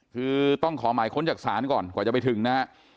คือต้องขอหมายขนหยักษานก่อนกว่าจะไปถึงนะครับ